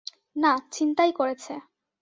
না, ছিনতাই করেছে।